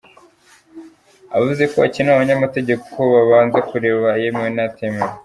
Yavuze ko hakenewe abanyamategeko babanza kureba ayemewe n’atemewe.